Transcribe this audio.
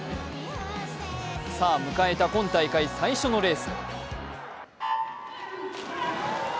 さあ、迎えた今大会最初のレース。